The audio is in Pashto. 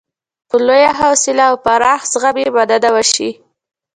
په لویه حوصله او پراخ زغم یې مننه وشي.